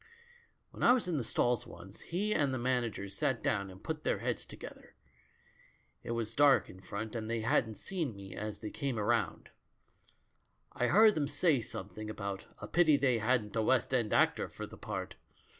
"When I was in the stalls once, he and the manager sat down and put their heads together. It was dark in front, and they hadn't seen me as they came round. I heard them say something about 'a pity they hadn't a West End actor for the part.'